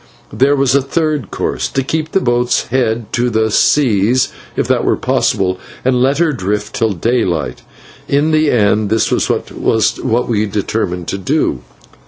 There was a third course: to keep the boat's head to the seas, if that were possible, and let her drift till daylight. In the end this was what we determined to do.